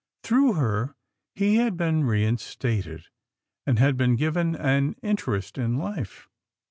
Through her, he had been reinstated, and had been given an in terest in life.